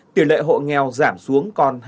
tiểu lệ hộ nghèo giảm xuống còn hai ba